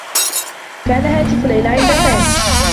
كان هاتف ليلى عند سامي.